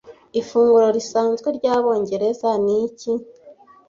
Ifunguro risanzwe ryabongereza ni iki?